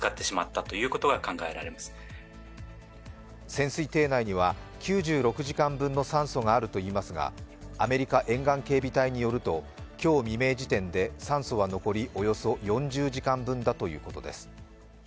潜水艇内には９６時間分の酸素があるといいますがアメリカ沿岸警備隊によると今日未明時点で残りおよそ４０時間分だということです。